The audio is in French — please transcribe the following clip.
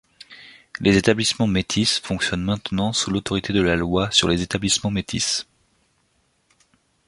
Les établissements métis fonctionnent maintenant sous l'autorité de la Loi sur les établissements métis.